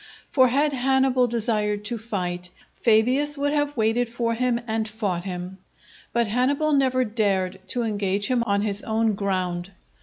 For had Hannibal desired to fight, Fabius would have waited for him and fought him. But Hannibal never dared to engage him on his own ground.